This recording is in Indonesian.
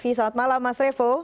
selamat malam mas revo